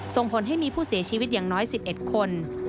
ส่งผลให้มีผู้เสียชีวิตอย่างน้อย๑๑คน